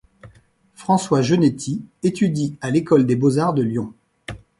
François Genéty étudie à l'École des beaux-arts de Lyon.